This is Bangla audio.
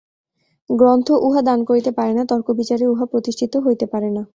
গ্রন্থ উহা দান করিতে পারে না, তর্কবিচারে উহা প্রতিষ্ঠিত হইতে পারে না।